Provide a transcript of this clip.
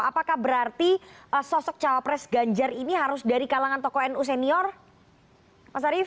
apakah berarti sosok cawapres ganjar ini harus dari kalangan tokoh nu senior mas arief